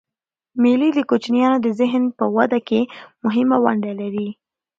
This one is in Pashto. مېلې د کوچنيانو د ذهن په وده کښي مهمه ونډه لري.